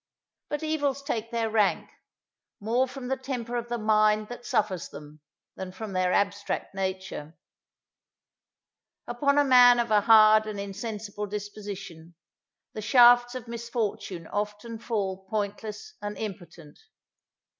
But evils take their rank, more from the temper of the mind that suffers them, than from their abstract nature. Upon a man of a hard and insensible disposition, the shafts of misfortune often fall pointless and impotent.